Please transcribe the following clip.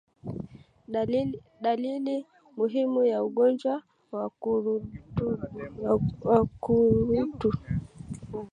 Dalili muhimu ya ugonjwa wa ukurutu